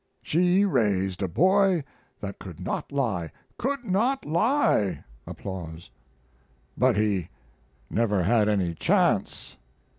She raised a boy that could not lie could not lie. But he never had any chance.